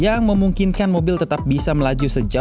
yang memungkinkan mobil ini bisa mencapai lima lima ratus km per jam